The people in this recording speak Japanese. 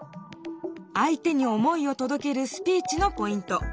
相手に思いを届けるスピーチのポイント。